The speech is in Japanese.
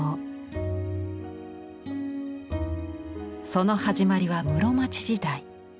その始まりは室町時代。